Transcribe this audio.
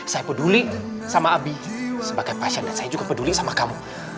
saya peduli sama abihi sebagai passion dan saya juga peduli sama kamu